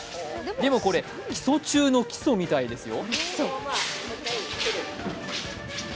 でもこれ基礎中の基礎みたいですよ。